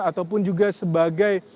ataupun juga sebagai